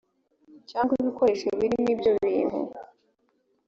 cyangwa ibikoresho birimo ibyo bintu